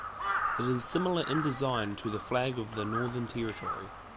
It is similar in design to the flag of the Northern Territory.